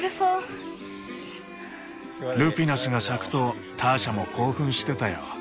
ルピナスが咲くとターシャも興奮してたよ。